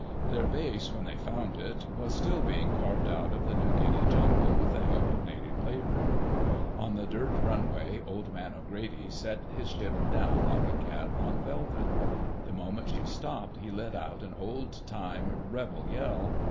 Their base, when they found it, was still being carved out of the New Guinea jungle with the help of native labor. On the dirt runway Old Man O'Grady set his ship down like a cat on velvet. The moment she stopped he let out an old time "rebel" yell.